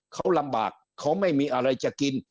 เขาลำบากเขาไม่มีอะไรจะกิน